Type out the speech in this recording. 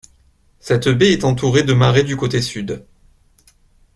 Cette baie est entourée de marais du côté Sud.